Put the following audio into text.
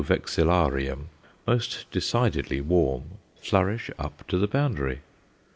vexillarium_, most decidedly warm, flourish up to the boundary.